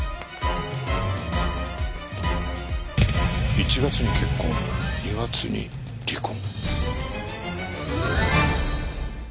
１月に結婚２月に離婚？